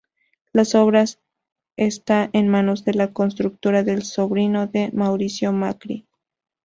Las obras está en manos de la constructora del sobrino de Mauricio Macri.